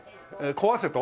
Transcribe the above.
壊せと？